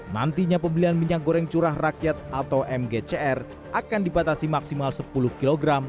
nantinya pembelian minyak goreng curah rakyat atau mgcr akan dibatasi maksimal sepuluh kg